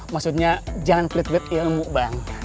maksudnya jangan flit flit ilmu bang